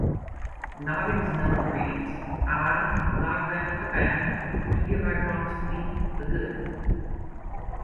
Noggin's note reads: I, Nogbad 'the Bad' do hereby promise to be 'the Good'.